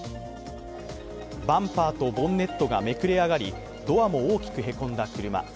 バンパーとボンネットがめくれ上がりドアも大きくへこんだ車。